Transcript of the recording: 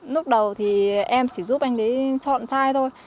lúc đầu thì em chỉ giúp anh ấy chọn trai thôi